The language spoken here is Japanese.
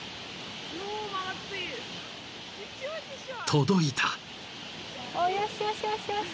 ［届いた！］